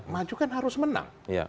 maju kan harus menang